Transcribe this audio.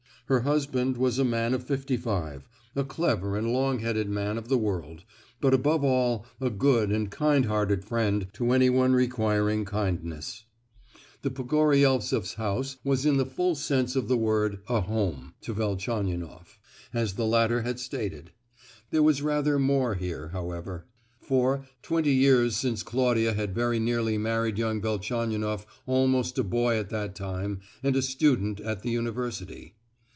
Her husband was a man of fifty five, a clever and long headed man of the world, but above all, a good and kind hearted friend to anyone requiring kindness. The Pogoryeltseffs' house was in the full sense of the word a "home" to Velchaninoff, as the latter had stated. There was rather more here, however; for, twenty years since Claudia had very nearly married young Velchaninoff almost a boy at that time, and a student at the university.